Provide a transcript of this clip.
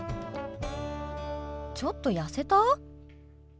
ちょっと痩せた？